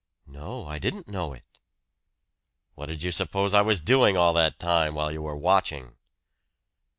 "No, I didn't know it." "What did you suppose I was doing all that time while you were watching?"